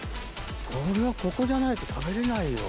これはここじゃないと食べれないよ。